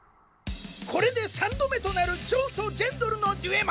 これで３度目となるジョーとジェンドルのデュエマ。